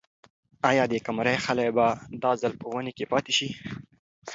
آیا د قمرۍ خلی به دا ځل په ونې کې پاتې شي؟